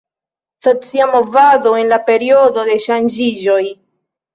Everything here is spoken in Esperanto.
Socia movado en la periodo de ŝanĝiĝoj.